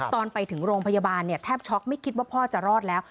ตอนไปถึงโรงพยาบาลเนี่ยแทบช็อกไม่คิดว่าพ่อจะรอดแล้ว